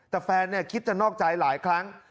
แต่แฟนคิดจะนอกใจหลายครั้ง